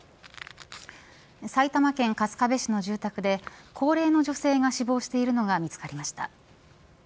埼玉県春日部市の住宅で高齢の女性が死亡しているのが見つかりました。